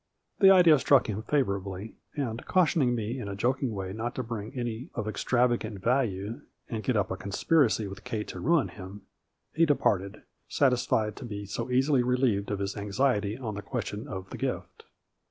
The idea struck him favorably, and, caution ing me in a joking way not to bring any of ex travagant value and get up a conspiracy with Kate to ruin him, he departed, satisfied to be so easily relieved of his anxiety on the question of the gift.